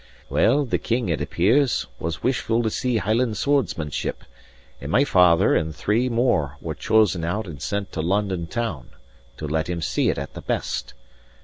Well, the King, it appears, was wishful to see Hieland swordsmanship; and my father and three more were chosen out and sent to London town, to let him see it at the best.